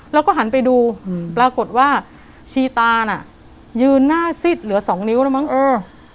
แล้วก็หันไปดูอืมปรากฏว่าชีตาน่ะยืนหน้าซิดเหลือสองนิ้วแล้วมั้งเออ